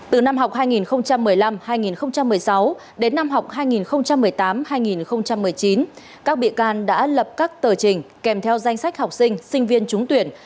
từ năm học hai nghìn một mươi năm hai nghìn một mươi sáu đến năm học hai nghìn một mươi tám hai nghìn một mươi chín các bị can đã lập các tờ trình kèm theo danh sách học sinh sinh viên trúng tuyển